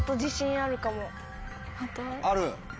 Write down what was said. ある？